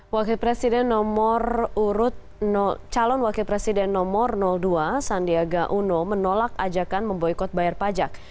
wakil presiden nomor urut calon wakil presiden nomor dua sandiaga uno menolak ajakan memboykot bayar pajak